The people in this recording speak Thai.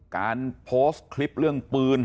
การโพสต์คลิปเรื่องปืน